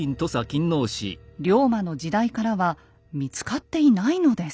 龍馬の時代からは見つかっていないのです。